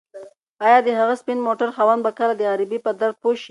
ایا د هغه سپین موټر خاوند به کله د غریبۍ په درد پوه شي؟